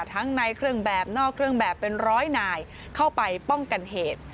ทั้งในเครื่องแบบนอกเครื่องแบบเป็นร้อยนายเข้าไปป้องกันเหตุ